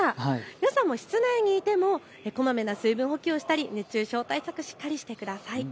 皆さんも室内にいてもこまめな水分補給をしたり熱中症対策しっかりしてください。